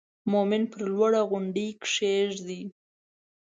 مومن پر لوړه غونډۍ کېږدئ.